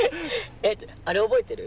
えっあれ覚えてる？